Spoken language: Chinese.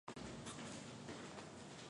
伯夫龙河畔康代。